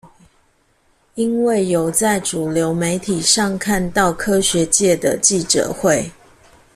因為有在主流媒體上看到科學界的記者會